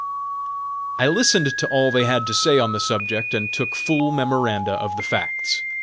I listened to all they had to say on the subject and took full memoranda of the facts.